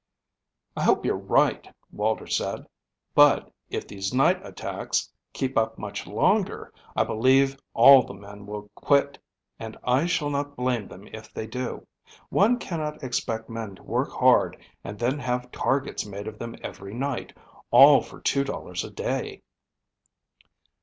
"I hope you're right," Walter said, "but, if these night attacks keep up much longer, I believe all the men will quit, and I shall not blame them if they do. One cannot expect men to work hard and then have targets made of them every night, all for $2.00 a day."